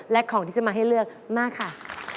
และของที่จะมาให้เลือกมากค่ะ